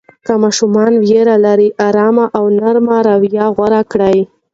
که ماشوم ویره لري، آرام او نرمه رویه غوره کړئ.